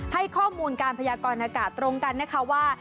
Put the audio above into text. ให้ข้อมูลการพยากรอากาศตรงกันนะคะว่า